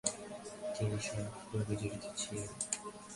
তিনি সক্রিয়ভাবে জড়িত ছিলেন।